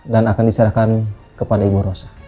dan akan diserahkan kepada ibu rosa